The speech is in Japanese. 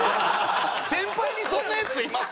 先輩にそんなヤツいます？